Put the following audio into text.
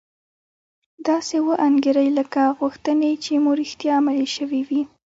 داسې و انګیرئ لکه غوښتنې چې مو رښتیا عملي شوې وي